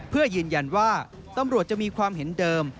เพื่อยืนยันว่าตำรวจจะมีความเห็นเดิม